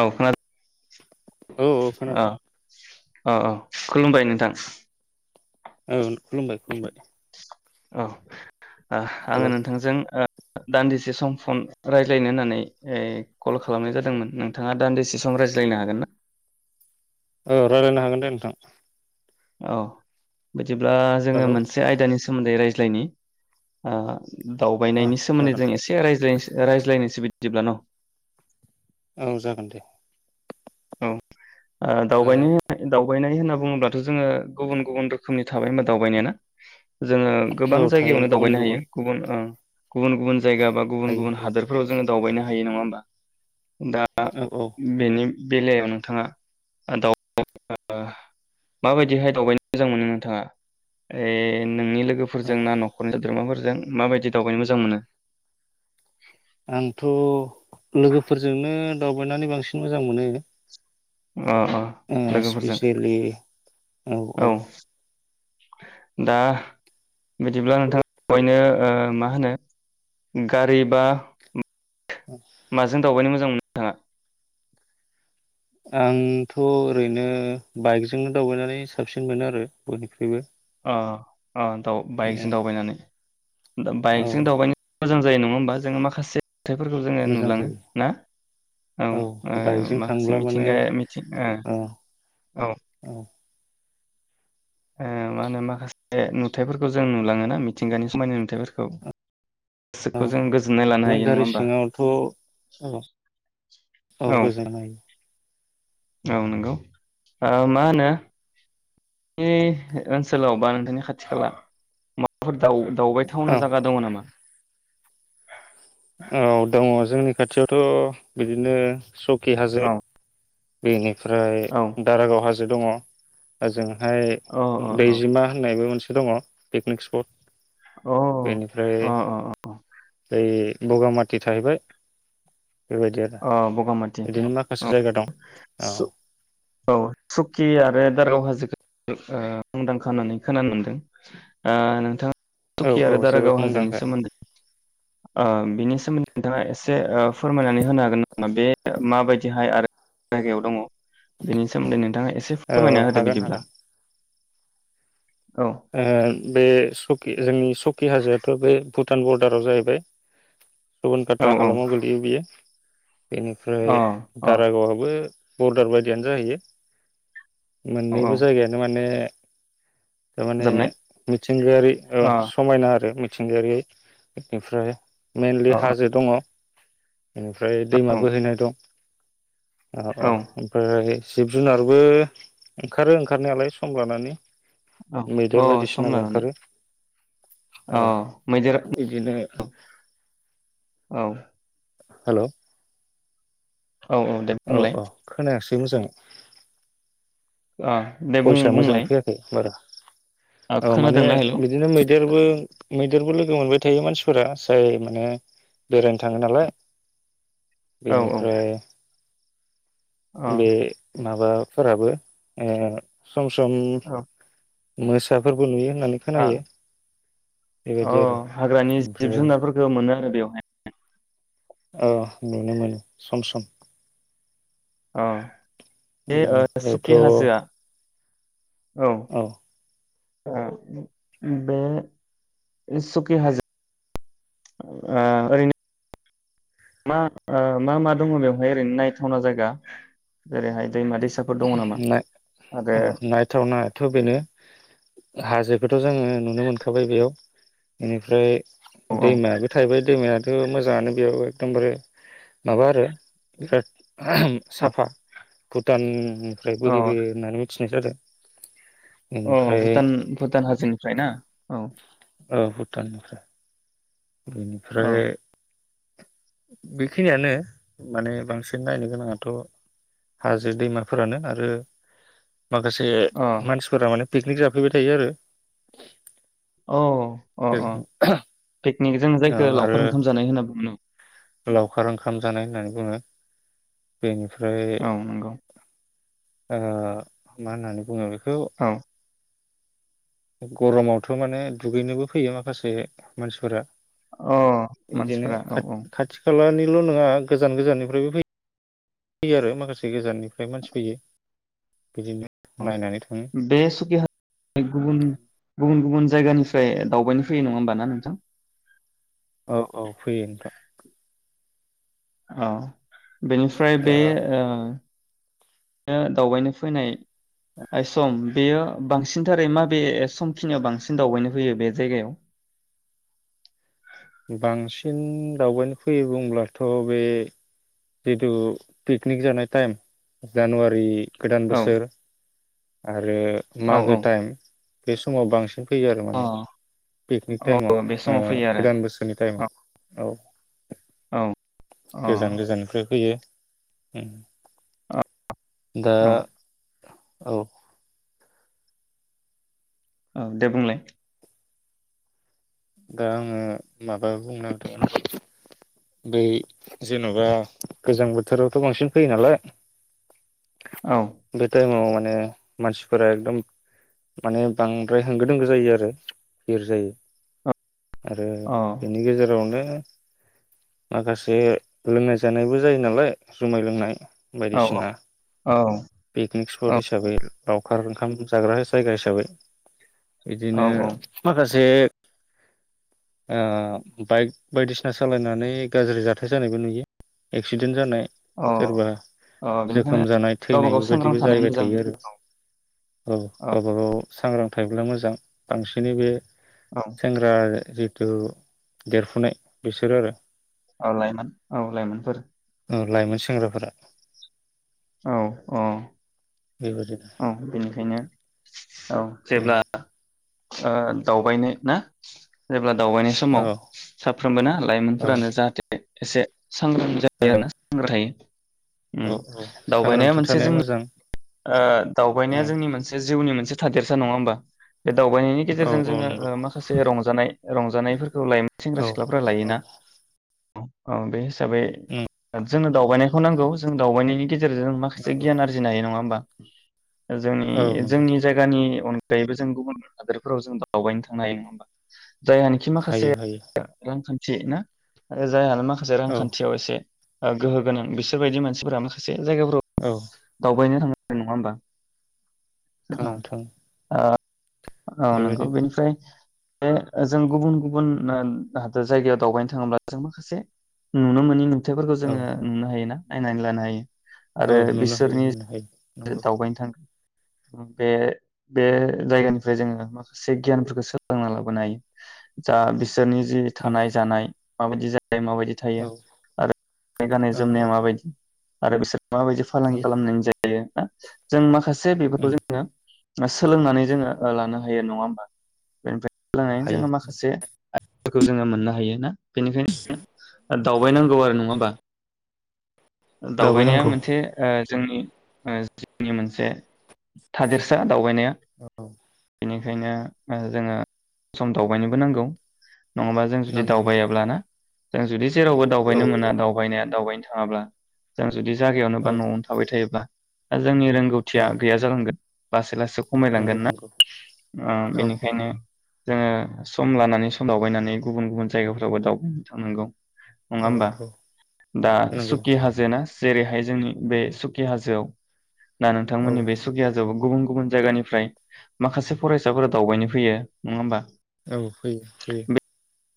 औ खोना औ औ खोनादों अ अ खुलुमबाय नोंथां औ खुलुमबाय-खुलुमबाय औ ओह आंङो नोंथांजों ओ दान्दिसे सम फन रायज्लायनो होननानै ओइ कल खालामनाय जादोंमोन नोंथाङा दान्दिसे सम रायज्लायनो हागोन ना? औ रायलायनो हागोन दे नोंथां। औ बिदिब्ला जोङो हेलौ मोनसे आयदानि सोमोन्दै रायज्लायनि ओ अ दावबायनायनि सोमोन्दै जागोन जों एसे रायज्लायनोस रायज्लायनोसै बि दिब्ला न औ जागोन दे। औ ओ दा दावबायनि-दाव गयनायनि होनना बुंङोब्लाथ जोंङो गुबुन-गुबुन रोखोमनि थाबाय होनबा दावबायनाय ना जोंङो गोबां औ थायो जायगायावनो गुबुन दावबायनो हायो गुबुन ओ गुबुन-गुबुन जायगा बा हायो गुबुन-गुबुन हायो हादोरफोराव जोंङो दावबायनो हायो नङा होमबा? दा औ औ बेनि बेलायाव नोंथाङा [inaudible] माबायदिहाय दावबायनो मोजां मोनो नोंथाङा? ऐ नोंनि लोगोफोरजों ना नखरनि सोद्रोमाफोर जों माबायदि दावबायनो मोजां मोनो? आंथ लोगोफोरजोंनो दावबायनानै बांसिन मोजां मोनो। अ अ ओ लोगोफोरजों स्पेसियेलि औ औ। दा बिदिब्ला नोंथाङा [unintelligible] नो ओ मा होनो गारि बा माजों दावबायनो मो जां मोनो नोंथाङा? आंथ ओरैनो बाइकजोंनो दावबायनानै साबसिन मोनो आरो बयनिख्रुयबो। अ। आनथाव बाइकजों दावबायनानै दा औ बाइकजों दावबायनो मोजां जायो नङा होमबा? जों माखासे नुथायफोरखौ जोङो मोजां नुलाङो जायो ना? औ ओ बाइकजों थांब्ला माखासे माने मिथिंगाया मिथिं ओ औ औ। ओ मा होनो माखासे नुथायफोरखौ जों नुलाङोना मिथिंगानि समायना नुथायफोरखौ। औ गोसोखौ जों गोजोननाय लानो ओमफाय हायो नङा गारि होमबा सिङावथ औ औ गोजोन्नाय औ नोंगौ। ओ मा होनो ऐ ओन्सोलाव बा नोंथांनि खाथि खाला माबाफोर दाव-दावबायथावना जागा औ दङ नामा? औ दङ। जोंनि खाथियावथ बिदिनो सखि औ हाजो बेनो। ओमफ्राय औ दारागाव हाजो दङ। दा जों फाय अ अ अ दैजिमा होन्नायबो मोनसे दङ पिकनिक स्पट। बेनिफ्राय अ अ अ बै बगामाथि थाहैबाय बेबायदि आरो अ बगामाथि बिदिनो माखासे जायगा दं। औ। आरो दारगाव हाजोखो ओ मुंदांखा होन्नानै खोनानो मोन्दों। ओ नोंथां औ थुकि आरो औ जोबोद दारागाव हाजोनि मुंदांखा सोमोन्दै ओ बिनि नोंथाङा एसे फोरमायनानै होनो हागोन नामा बे माबायदिहाय आरो जायगायाव दङ बेनि सोमोन्दै नों थाङा एसे औ फोरमायना होदो हागोन बिदिब्ला। हागोन औ ओ बे सकि जोंनि सकि हाजो फोर बो भुटान बरदाराव जाहैबाय औ रुनकाटा औ हालामाव गोलैयो बियो। बेनिफ्राय अ अ दारागावयाबो बरदार बायदियानो जाहैयो। औ औ मोननैबो जायगायानो माने थारमाने फोजोबनाय मिथिंगायारि ओ अ समायना आरो मि थिंगायारि इनिफ्राय अ मेनलि हाजो दंङ ओनिफ्राय दैमा बोहैनाय दं। अ अ औ ओमफ्राय जिब जुनारबो ओंखारो ओंखारनायालाय सम लानानै। औ मैदेर अ सम बायदिसिनाबो लानानै ओंखारो। अ औ मैदेर इदिनो औ हेलोव औ औ दे बुंलाय सै मोजां अ दे बुं फइसा बुंलाय मोजांङै फैयाखै बारा ओ औ माने खोनादोंना हेलौ बिदिनो मै देरबो मैदेरबो लोगो मोनबाय थायो मानसिफोरा जाय माने बेरायनो थाङो नालाय। औ औ बेनिफ्राय अ बे माबाफोराबो ओ सम सम औ मोसाफोरबो नुयो। होननानै आ खोनायो। अ बेबायदि आरो हाग्रानि जिब ओमफ्राय जुनारफोरखौ मोनो आरो बेयावहाय ओ नुनो मोनो सम सम औ बेनिफ्रायथ औ। ओ बे सुकि हाजो ओ ओरैनो मा ओ मा मा दङ बेवहाय ओरैनो नायथावना जायगा। जेरैहाय दैमा दैसाफोर दङ नामा नाय आरो औ नायथावनायाथ बेनो हाजोखौथ जोङो नुनो मोनखाबाय बेयाव बेनिफ्राय औ दैमायाबो थाहैबाय दैमाया मोजाङानो बेयाव एकदमबारे माबा आरो बिराद औ साफा भुटान ओफ्राय बोहैबो होन्नानै मि थिनाय जादो। अ भुटान भुटान हाजोनिफ्राय ना औ। औ भुटाननिफ्राय औ बेनिफ्राय बेखिनियानो माने बांसिन नायनो गोनाङाथ हाजो दैमाफोरानो आरो माखासे अ मानसिफोरा माने पिकनिक जाफैबाय थायो आरो। औ। अ अ [unintelligible] पिकनिक जों ओं जायखौ आरो लावखार ओंखाम जानाय होनना बुङो लावखार ओंखाम जानाय होन्नानै बुङो। बेनि औ नोंगौ। ओ मा होन्नानै बुंङो होव औ गरमावथ माने दुगैनोबो फैयो माखासे मानसिफोरा। अ बिदिनो मानसिफोरा औ औ खाथि खाथि खालानि ल नङा गोजान गोजान्निफ्रायबो फै यो आरो माखासे गोजान्नि फ्राय मानसि फैयो। बिदिनो नायनानै थाङो बे सुखि हाजो गुबुन गुबुन गुबुन जायगानिफ्राय दावबायनो फैयो नङा होमबा ना नोंथां? औ औ फैयो नोंथां। औ। बेनिफ्राय बे ओ दावबायनो फैनाय सम बेयो बांसिनथारै माबे समखिनियाव बांसिन दावबायनो फैयो बे जायगायाव? बांसिन दावबायनो फैयो बुंब्लाथ बे जिथु पिकनिक जानाय टाइम जानुवारि गोदान औ बोसोर आरो औ मागो औ टाइम बे समाव बांसिन फैयो आरो अ माने। फिकनिक औ बे टाइमाव समाव ओ फैयो आरो गोदान बोसोरनि औ टाइमाव औ। औ। गोजान अ गोजान्निफ्राय फैयो‌। उम। दा औ औ। औ दे बुंलाय। दा आङो माबा बुंनो नागिरदों। बै जेन'बा गोजां बोथोरावथ' बांसिन फैयो नालाय औ बे टाइमाव मा ने मानसिफोरा एकदम माने बांद्राय होंगो दोंगो जायो आरो ब्हिर जायो। आरो औ बेनि गेजेरावनो माखासे लोंनाय जानायबो जायो नालाय जुमाय लोंनाय औ बायदिसिना औ पिकनिक स्पत हिसाबै, लावखार ओंखाम जाग्रा जायगा हिसाबै। औ बिदिनो औ माखा से ओ बाइक बायदिसिना सालायनानै गाज्रि जाथाय जानायबो नुयो। एक्सिडेन्ट जानाय अ सोरबा अ बेनिखायनो जोखोम जानाय गावबा थैनाय गाव सांग्रां बेबायदिबो थानाया जाहैबाय मोजां थायो आरो। औ गावबा गाव सांग्रां थायोब्ला मोजां बांसिनै बे औ सेंग्रा जे ओ देरफुनाय बिसोरो आरो औ लाइमोन औ लाइमोनफोर। औ लाइमोन सेंग्राफोरा औ औ। बेबायदिनो औ बेनिखायनो औ जेब्ला ओ दावबायनो ना जेब्ला दावबायनाय औ समाव साफ्रोमबो ना औ लाइमोनफोरानो जाहाथे एसे सांग्रां जायो औ आरोना सांग्र थायो। उम औ औ दावबायनाया सांग्रांथि मोनसे थानाया जोंनि मोजां। ओ दावबायनाया जोंनि मोनसे जिउनि मोनसे थादेरसा नङा होमबा बे दावबायनायनि औ गेजेरजों औ जोङो नंगौ ओ माखासे रंजानाय रंजानायफोर सेंग्रा औ सिख्लाफ्रा औ लायोना अ बे बे जोंनो दावबायनायखौ नांगौ जों दावबायनायनि गेजेरजों माखासे नंगौ गियान आरजिनो हायो नङा हो बा औ जोंनि नंगौ जोंनि जायगानि अनगायैबो जों गुबुन हादोरफोराव जों दावबायनो थांनो हायो नङा होमबा जायहानिखि माखासे हायो हायो [inaudible] थि ना जाय हालामा माखासे औ रांखान्थियाव एसे ओ गोहो गोनां बिसोरबायदि मानसिफोरा माखासे जायगाफोर औ द बायनो थां नङा होमबा? औ थाङो थाङो अ औ नंगौ बेबायदिनो बेनिफ्राय। बे जों गुबुन गुबुन ओ हादर जायगायाव दावबायनो थाङोब्ला जों माखासे नुनो मोननि नुथाइफोरखौ औ जोङो नुनो हायो ना? नायनानै लानो हायो। औ आरो नुनो हायो बिसोरनि नुनो हायो नंगौ दावबायनो थांगोन। उम बे बे जायगानिफ्राय जोङो माखासे गियानफोरखौ सोलोंना लाबोनो हायो जा बि सोरनि जि थानाय नंगौ जानाय माबायदि जा फाय माबायदि थायो औ आरो गाननाय औ औ जोमनाया माबायदि आरो बिसोर माबायदि फालांगि नंगौ खालामना जा यो ना जों माखा से बेफोरखौ जोंङो ओ सोलोंनानै जोंङो लानो हायो नंङा होमबा? बेनिफ्राय लोंनानै हायो जोंङो माखासे फोर खौ जोंङो मोननो हायो ना? बेनिखायनो ओ दावबायनांगौ आरो नंङाबा? दावबायनाया दावबायनांगौ मोनसे ओ जोंनि ओ जिउनि मोनसे थादेरसा दावबायनाया औ खायनो ओ जोंङो सम दावबायनोबो नांगौ। नंङाबा जों जुदि नांगौ नांगौ दावबायाब्ला ना जों जुदि जेरावबो औ दावबायनो मोना दावबायनाया दावबायनो थाङाब्ला जों जुदि जागायावनो औ बा नआवनो थाबाय थायोब्ला दा जोंनि औ रोंगौथिया गैया जालांगोन। लासै लासो नंगौ नंगौ। आ औ बेनिखायनो जोंङो सम लानानै सम दावबायनानै गुबुन गुबुन जायगाफोरावबो दावबायनो थांनांगौ। नंङा औ होमबा? औ दा नंगौ सुखि हाजो ना? जेरै हाय जोंनि बे सुकि हाजोआव ना औ नोंथांमोननि बे सुखि हाजोयाव गुबुन गुबुन जायगानिफ्राय माखासे फरायसाफोरा दावबायनो फैयो नंङा होमबा? औ फैयो फैयो।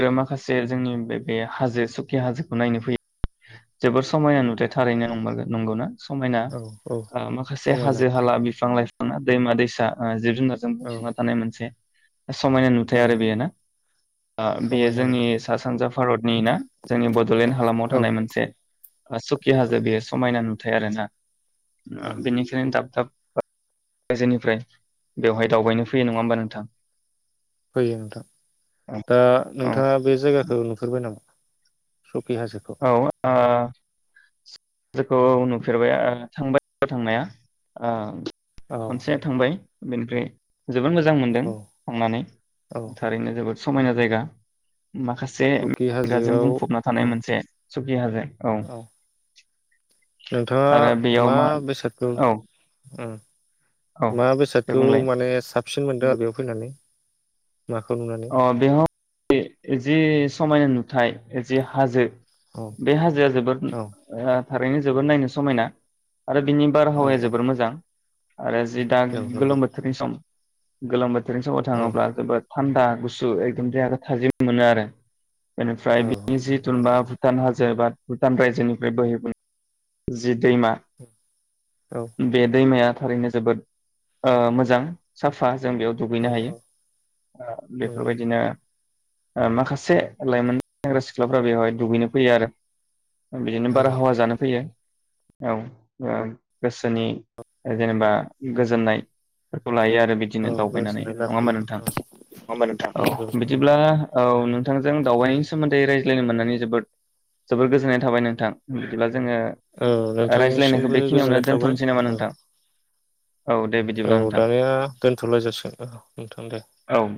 रो माखासे जोंनि बे बे हाजो सुखि हाजोखौ नायनो फैयो जोबोर समायना नुथाय थारैनो नंमार नंगौना? समायना औ औ ओ माखासे समायना हाजो हाला बिफां लाइ फांङा दैमा दैसा ओ जिब जुना जों औ बुंफबना थानाय मोनसे समायना नुथाय औ आरो बेयो ना बेयो समायना जोंनि नुथाय सा सानजा फारत नि ना जोंनि बडलेण्ड हालामाव औ थानाय मोनसे सुखि हाजो बेयो समायना नु थाय आरो ना औ बेनिखायनो दाब दाब ओ रायजोनिफ्राय बेवहाय दावबायनो फैयो नंङा होमबा नोंथां फैयो नोंथां औ दा औ नोंथाङा बे जायगाखौ नुफेरबाय नामा? सकि हाजोखौ? औ आ [unintelligible] खौ नुफेरबाय थांबाय थांनाया ओ औ खनसे थांबाय बेनिफ्राय जोबोद मोजां मोनदों औ थांनानै औ थारैनो जोबोद समायना जायगा माखासे सकि मेंगाजों हाजोआव बुंफबना औ थानाय मोनसे सुकि हाजो औ नोंथाङा आरो बेयाव मा बेसादखौ औ औ मा दे बेसादखौ बुंलाय माने सिन मोनदों आरो बेयाव फैनानै? माखौ नुनानै? अ बेहाव जि समायना नु थाय जे हाजो औ बे हाजोआ जोबोद औ ओया थारैनो जोबोद नायनो समायना आरो बिनि औ बारहावाया जोबोर मोजां। आरो जि दा औ नंगौ गोलोम बोथोरनि सम गोलोम बो थोर नि समाव औ थांङोब्ला जोबोद थान्दा गुसु एकदम देहाखौ थाजिम मोनो आरो। औ बेनिफ्राय बेनि नंगौ जिुथुनबा भुटान हाजो जेनबा भुटान रायजोनिफ्राय बोहैबो जि दैमा। औ बेे दैमाया। थारैनो जोबोद ओ मोजां साफा। जों बेयाव औ दुगैनो हायो ओ नंगौ बेफोरबायदिनो। ओ माखासे लाइमोन सेंग्रा सिख्लाफ्रा बेवहाय दुगैनो फैयो आरो बिदिनो औ बार हावा जानो फैयो। औ ओ गोसोनि जेनेबा गोजोननायफोरखौ लायो आरो औ बिदिनो दावबायनानै गोजोननाय नङा होमबा लाबोयो नोंथां औ नंगौ नोंथां बिदिब्ला औ नोंथांजों दावबायनायनि सोमोन्दै राय- [unintelligible] मोननानै जोबोद जोबोद गोजोन नाय थाबाय नोंथां औ रायज्लायनायखौ नोंथांनिसिमबो बेखिनियावनो गोजोननाय थाबाय दोनथ'नोसै नामा औ। नोंथां औ दे बिदिब्ला औ नोंथां दानिया दोनथलाय जासिगोन औ नोंथां दे। [inaudible] औ दे